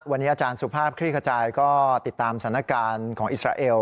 วันนี้อาจารย์สุภาพคลี่ขจายก็ติดตามสถานการณ์ของอิสราเอล